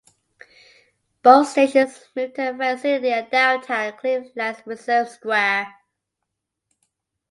Both stations moved to a facility at downtown Cleveland's Reserve Square.